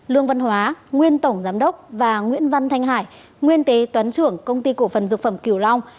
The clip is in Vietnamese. lương văn hóa nguyên tổng giám đốc và nguyễn văn thanh hải nguyên kế toán trưởng công ty cổ phần dược phẩm kiều long